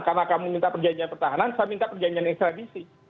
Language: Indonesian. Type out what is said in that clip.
karena kamu minta perjanjian pertahanan saya minta perjanjian ekstradisi